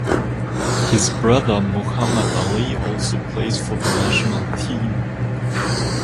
His brother Mohamud Ali also plays for the national team.